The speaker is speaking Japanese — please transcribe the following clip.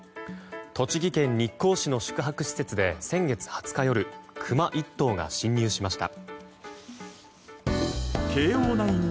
栃木県日光市の宿泊施設で先月２０日夜クマ１頭が侵入しました。